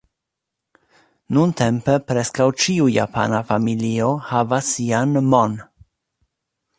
Nuntempe preskaŭ ĉiu japana familio havas sian "mon".